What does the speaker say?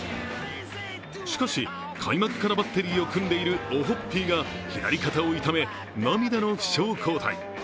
しかし開幕からバッテリーを組んでいるオホッピーが左肩を痛め、涙の負傷交代。